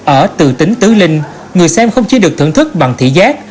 ở từ tính tứ linh người xem không chỉ được thưởng thức bằng thị giác